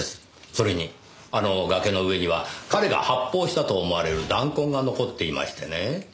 それにあの崖の上には彼が発砲したと思われる弾痕が残っていましてね。